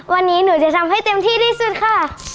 วันนี้หนูจะทำให้เต็มที่ที่สุดค่ะ